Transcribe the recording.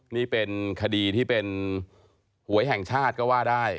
นี่เป็นคดีที่เป็นหวยแห่งชาติก็ว่าได้